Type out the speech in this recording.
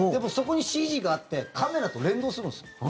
そこにＣＧがあってカメラと連動するんです。